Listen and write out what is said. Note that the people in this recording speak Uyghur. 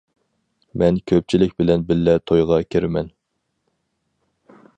مەن كۆپچىلىك بىلەن بىللە تويغا كىرىمەن.